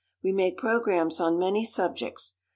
We make programs on many subjects.